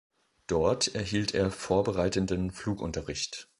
Dort erhielt er vorbereitenden Flugunterricht.